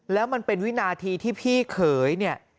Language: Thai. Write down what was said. แล้วมันเป็นวินาทีที่พี่เขยเนี่ย